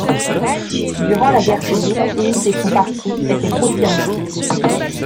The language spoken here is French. Durant la guerre civile, Eid et son parti étaient prosyriens.